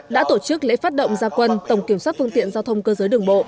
đã tổ chức lễ phát động gia quân tổng kiểm soát phương tiện giao thông cơ giới đường bộ